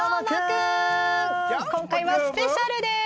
今回はスペシャルです。